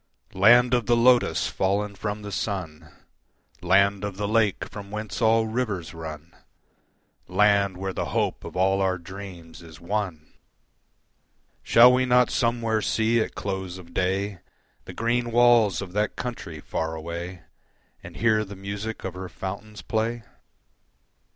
Land of the Lotus fallen from the sun, Land of the Lake from whence all rivers run, Land where the hope of all our dreams is won! Shall we not somewhere see at close of day The green walls of that country far away, And hear the music of her fountains play?